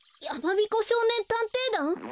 やまびこしょうねんたんていだん？